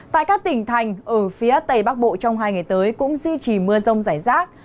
tại các tỉnh thành ở phía tây bắc bộ trong hai ngày tới cũng duy trì mưa rông rải rác